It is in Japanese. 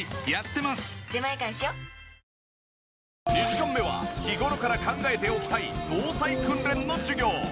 ２時間目は日頃から考えておきたい防災訓練の授業。